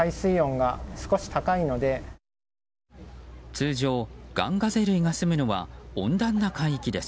通常、ガンガゼ類がすむのは温暖な海域です。